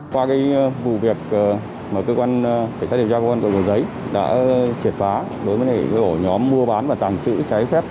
qua cái vụ việc mà cơ quan điều tra cơ quan cổ giấy đã triệt phá đối với những nhóm mua bán và tàng trữ trái phép